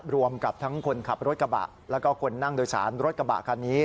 รวมกับทั้งคนขับรถกระบะแล้วก็คนนั่งโดยสารรถกระบะคันนี้